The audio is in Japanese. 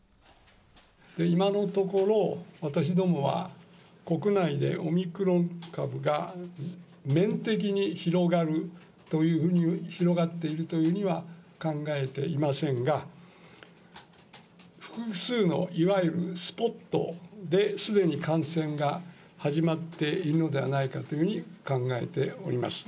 今のところ、私どもは国内でオミクロン株が面的に広がるというふうに、広がっているというふうには考えていませんが、複数のいわゆるスポットで、すでに感染が始まっているのではないかというふうに考えております。